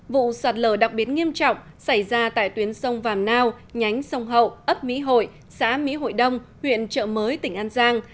vụ sạt lở đặc biệt nghiêm trọng xảy ra tại tuyến sông vàm nao nhánh sông hậu ấp mỹ hội xã mỹ hội đông huyện trợ mới tỉnh an giang